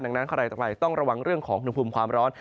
ดังนั้นใครจะไปต้องระวังเรื่องของอุณหภูมิความร้อน